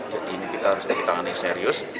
jadi ini kita harus diketangani serius